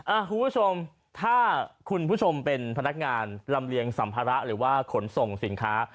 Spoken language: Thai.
คุณผู้ชมถ้าคุณผู้ชมเป็นพนักงานลำเลียงสัมภาระหรือว่าขนส่งสินค้า